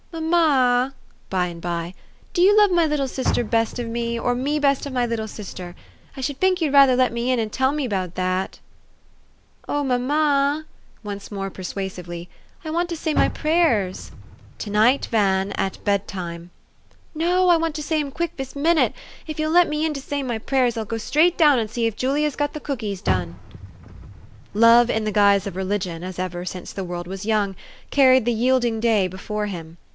" Mamma," by and by, " do you love my little sister best of me, or me best of my little sister? I should fink you'd rather let me in and tell me 'bout that. "O mamma !" once more persuasively, " I want to say my prayers." " To night, Van, at bed tune." " No, I want to say 'em quick vis minute. If you'll let me in to say my prayers, I'll go straight down and see if Julia's got the cookies done." Love in the guise of religion, as ever since the world was young, carried the yielding day before him.